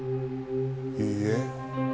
いいえ。